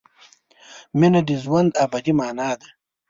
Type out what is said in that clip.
مینه د ژوند ابدي مانا ده.